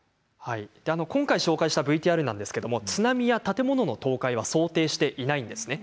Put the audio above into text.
今回、紹介したＶＴＲは津波や建物の倒壊は想定していないんですね。